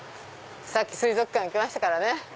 さっき水族館行きましたからね。